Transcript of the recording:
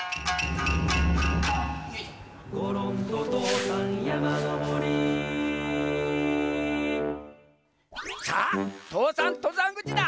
「ごろんととうさんやまのぼり」さあ父山とざんぐちだ。